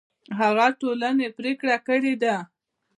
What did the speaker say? هغه ټولنې پرېکړه کړې ده